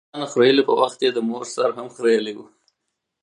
د ویښتانو خریلو په وخت یې د مور سر هم خرېیلی و.